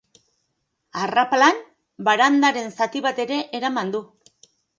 Arrapalan, barandaren zati bat ere eraman du.